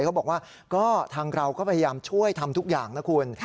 เขาบอกว่าก็ทางเราก็พยายามช่วยทำทุกอย่างนะคุณ